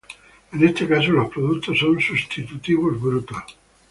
En este caso, los productos son sustitutivos brutos.